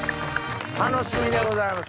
楽しみでございます。